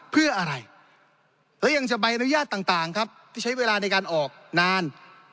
เพื่ออะไรและยังจะใบอนุญาตต่างครับที่ใช้เวลาในการออกนาน